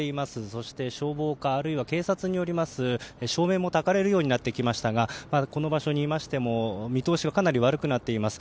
そして、消防かあるいは警察によります照明もたかれるようになってきましたがこの場所にいましても見通しはかなり悪くなっています。